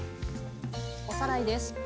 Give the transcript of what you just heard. おさらいです。